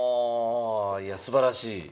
いやすばらしい。